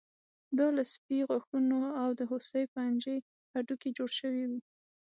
دا له سپي غاښونو او د هوسۍ پنجې هډوکي جوړ شوي وو